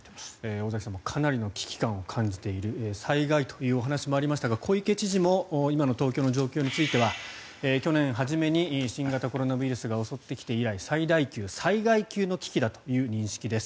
尾崎さんもかなりの危機感を感じている災害というお話もありましたが小池知事も今の東京の状況については去年初めに新型コロナウイルスが襲ってきて以来最大級、災害級の危機だという認識です。